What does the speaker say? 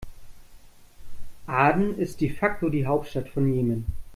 Aden ist de facto die Hauptstadt von Jemen.